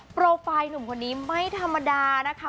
โปรไฟล์หนุ่มคนนี้ไม่ธรรมดานะคะ